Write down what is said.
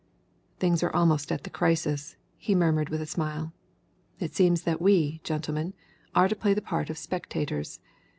"Things are almost at the crisis," he murmured with a smile. "It seems that we, gentlemen, are to play the part of spectators.